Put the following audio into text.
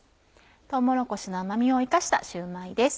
とうもろこしの甘みを生かしたシューマイです。